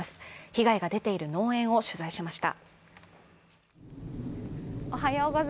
被害が出ている農園を取材しました。